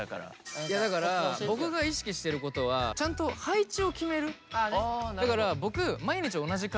いやだから僕が意識してることはちゃんと一回。